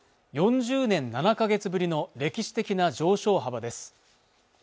４０年７か月ぶりの歴史的な上昇幅です